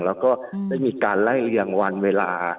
แล้วก็ได้มีการไล่เรียงวันเวลา